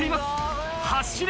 走れ！